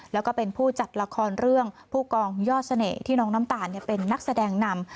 แล้วก็เป็นผู้จัดละครเรื่องผู้กองยอดเสน่ห์ที่น้องน้ำตาลเป็นนักแสดงนำ